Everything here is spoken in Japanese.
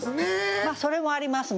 まあそれもありますね。